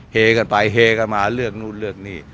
เฮกันไปเฮกันมาเลือกนู่นเลือกนี่